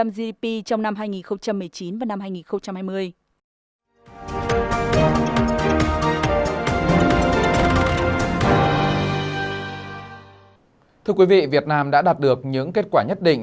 một ba gdp trong năm